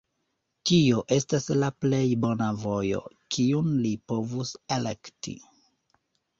Tio estas la plej bona vojo, kiun li povus elekti.